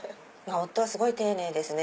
夫はすごい丁寧ですね